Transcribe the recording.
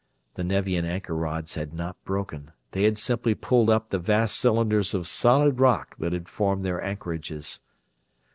The Nevian anchor rods had not broken; they had simply pulled up the vast cylinders of solid rock that had formed their anchorages.